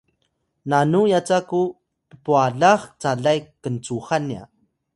nanu yaca ku ppwalax calay kncuxan nya